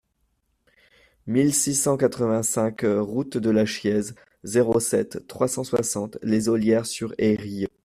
mille six cent quatre-vingt-cinq route de la Chiéze, zéro sept, trois cent soixante, Les Ollières-sur-Eyrieux